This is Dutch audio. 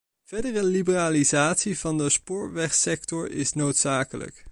Verdere liberalisatie van de spoorwegsector is noodzakelijk.